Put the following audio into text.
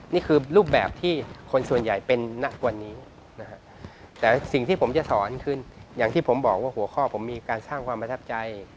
นี่คือรูปแบบที่คนส่วนใหญ่เป็นณวันนี้นะฮะแต่สิ่งที่ผมจะสอนคืออย่างที่ผมบอกว่าหัวข้อผมมีการสร้างความประทับใจ